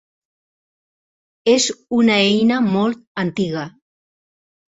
És una eina molt antiga.